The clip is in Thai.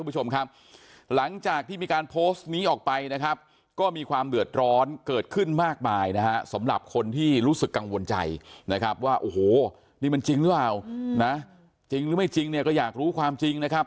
จริงหรือไม่จริงก็อยากรู้ความจริงนะครับ